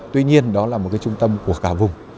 tuy nhiên đó là một cái trung tâm của cả vùng